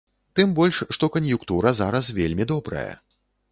Тым больш, што кан'юнктура зараз вельмі добрая.